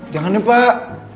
jangan ya pak